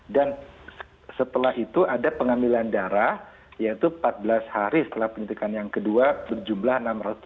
dan setelah itu ada pengambilan darah yaitu empat belas hari setelah penyintikan yang kedua berjumlah enam ratus tujuh puluh satu